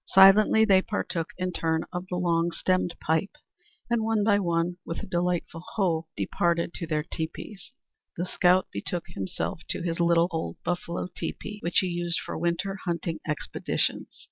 Silently they partook in turn of the long stemmed pipe, and one by one, with a dignified "Ho!" departed to their teepees. The scout betook himself to his little old buffalo teepee, which he used for winter hunting expeditions.